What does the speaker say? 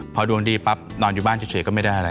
พอดวงดีปั๊บนอนอยู่บ้านเฉยก็ไม่ได้อะไร